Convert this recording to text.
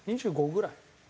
２５ぐらい。